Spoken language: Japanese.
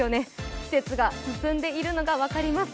季節が進んでいるのが分かります。